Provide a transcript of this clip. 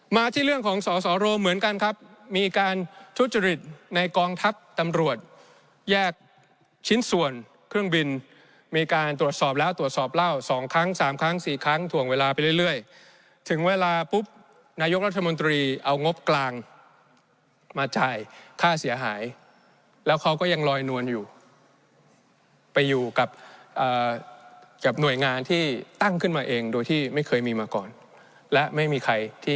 มาที่เรื่องของสอสอโรเหมือนกันครับมีการทุจริตในกองทัพตำรวจแยกชิ้นส่วนเครื่องบินมีการตรวจสอบแล้วตรวจสอบเล่าสองครั้งสามครั้งสี่ครั้งถ่วงเวลาไปเรื่อยถึงเวลาปุ๊บนายกรัฐมนตรีเอางบกลางมาจ่ายค่าเสียหายแล้วเขาก็ยังลอยนวลอยู่ไปอยู่กับหน่วยงานที่ตั้งขึ้นมาเองโดยที่ไม่เคยมีมาก่อนและไม่มีใครที่